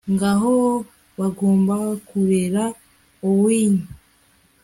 ngaho, bagombaga kurera owiny